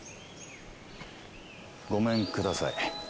ごめんください。